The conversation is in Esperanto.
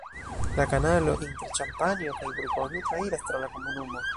La kanalo inter Ĉampanjo kaj Burgonjo trairas tra la komunumo.